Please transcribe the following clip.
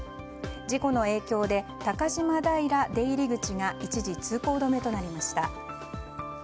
事故の影響で高島平出入り口が一時通行止めとなりました。